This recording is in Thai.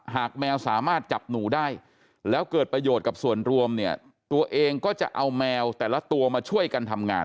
แมวสามารถจับหนูได้แล้วเกิดประโยชน์กับส่วนรวมเนี่ยตัวเองก็จะเอาแมวแต่ละตัวมาช่วยกันทำงาน